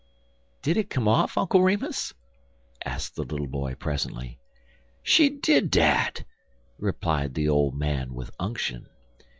"Did it come off, Uncle Remus?" asked the little boy, presently. "She did dat!" replied the old man with unction.